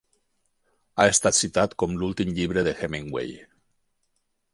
Ha estat citat com l'últim llibre de Hemingway.